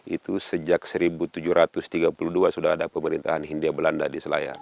itu sejak seribu tujuh ratus tiga puluh dua sudah ada pemerintahan hindia belanda di selayar